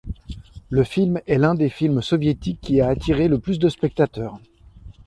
Le film est l'un des films soviétiques qui a attiré le plus de spectateurs.